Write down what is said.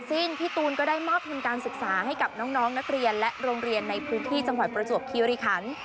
ซึ่งพี่ตูนก็ได้มอบทุนการศึกษาให้กับน้องนักเรียนและโรงเรียนในพื้นที่จังหวัดประจวบคิริคัน